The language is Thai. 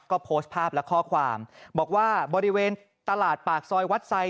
ก็โพสต์ภาพและข้อความบอกว่าบริเวณตลาดปากซอยวัดไซด